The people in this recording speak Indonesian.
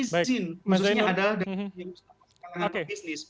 khususnya adalah dari bisnis